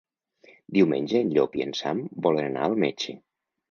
Diumenge en Llop i en Sam volen anar al metge.